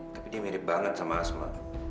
tapi dia mirip banget sama asma